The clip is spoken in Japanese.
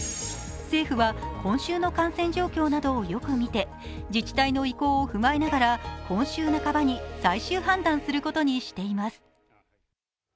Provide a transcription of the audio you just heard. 政府は今週の感染状況などをよく見て自治体の意向を踏まえながら今週半ばに最終判断することにしています。